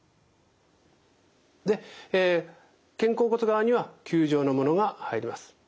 で肩甲骨側には球状のものが入ります。